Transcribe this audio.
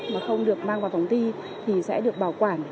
mà không được mang vào phòng thi thì sẽ được bảo quản